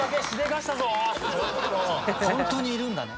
「ホントにいるんだね」